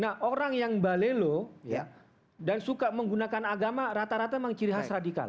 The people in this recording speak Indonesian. nah orang yang balelo dan suka menggunakan agama rata rata mengkirihas radikal